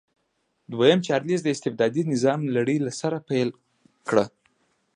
دویم چارلېز د استبدادي نظام لړۍ له سره پیل کړه.